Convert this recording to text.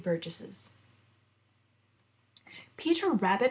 Burgess 'Teter Rabbit!